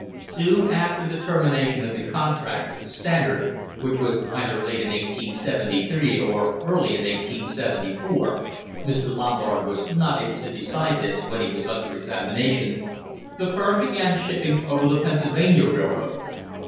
Soon after the termination of the contract with the Standard, which was either late in 1873 or early in 1874 (Mr. Lombard was not able to decide this when he was under examination), the firm began shipping over the Pennsylvania road.